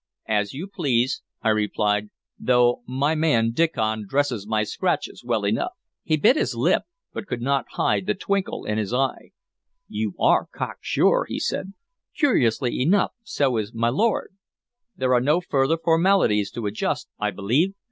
"As you please," I replied, "though my man Diccon dresses my scratches well enough." He bit his lip, but could not hide the twinkle in his eye. "You are cocksure," he said. "Curiously enough, so is my lord. There are no further formalities to adjust, I believe?